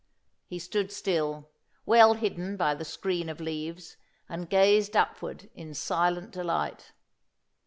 He stood still, well hidden by the screen of leaves, and gazed upward in silent delight.